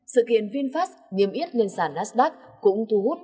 sự kiện vinfast niêm yết lên sản nasdaq cũng thu hút